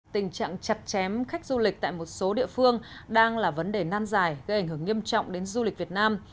tình trạng chặt chém khách du lịch tại một số địa phương đang là vấn đề nan dài gây ảnh hưởng nghiêm trọng đến du lịch việt nam